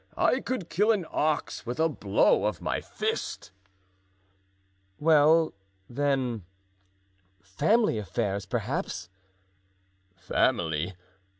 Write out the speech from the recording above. I could kill an ox with a blow of my fist." "Well, then, family affairs, perhaps?" "Family!